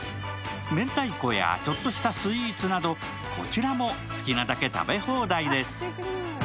めんたいこやちょっとしたスイーツなど、こちらも好きなだけ食べ放題です。